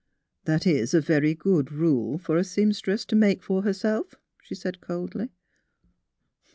^' That is a very good rule for a seamstress to make for herself, '' she said, coldly.